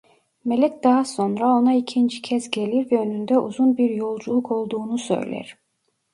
Melek daha sonra ona ikinci kez gelir ve önünde uzun bir yolculuk olduğunu söyler.